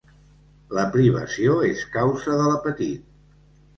La privació és causa de l'apetit.